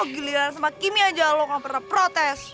oh giliran sama kimi aja lo gak pernah protes